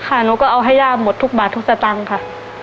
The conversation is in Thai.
หนูก็เอาให้ย่าหมดทุกบาททุกสตางค์ค่ะ